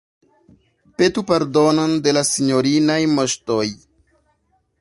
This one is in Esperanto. Petu pardonon de la sinjorinaj Moŝtoj.